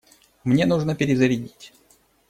Мне нужно перезарядить.